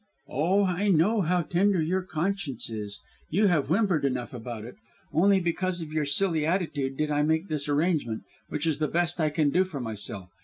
"Oh, I know how tender your conscience is. You have whimpered enough about it. Only because of your silly attitude did I make this arrangement, which is the best I can do for myself.